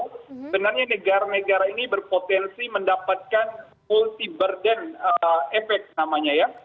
sebenarnya negara negara ini berpotensi mendapatkan multi burden efek namanya ya